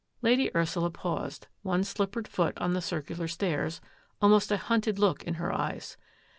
Lady Ursula paused, one slippered foot on the circular stairs, almost a hunted look in her eyes.